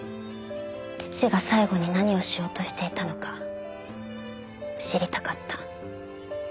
父が最後に何をしようとしていたのか知りたかった。